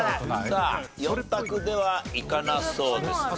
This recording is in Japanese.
さあ４択ではいかなそうですね。